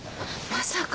まさか？